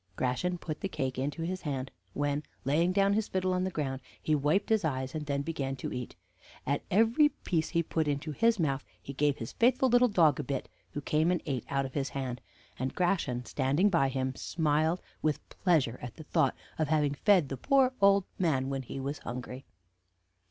"Gratian put the cake into his hand, when, laying down his fiddle on the ground, he wiped his eyes, and then began to eat. At every piece he put into his mouth, he gave his faithful little dog a bit, who came and ate out of his hand; and Gratian, standing by him, smiled with pleasure at the thought of having fed the poor old man when he was hungry."